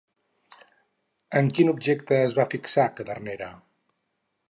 En quin objecte es va fixar Cadernera?